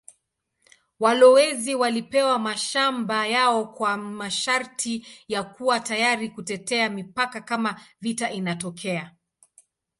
Walowezi walipewa mashamba yao kwa masharti ya kuwa tayari kutetea mipaka kama vita inatokea.